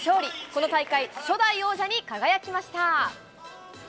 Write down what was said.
この大会、初代王者に輝きました。